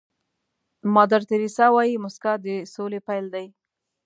مادر تیریسا وایي موسکا د سولې پيل دی.